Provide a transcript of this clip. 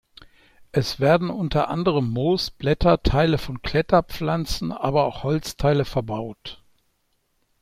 Es werden unter anderem Moos, Blätter, Teile von Kletterpflanzen, aber auch Holzteile verbaut.